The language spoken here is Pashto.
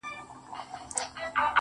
څنگه بيلتون كي گراني شعر وليكم.